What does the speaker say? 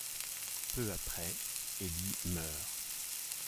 Peu après Élie meurt.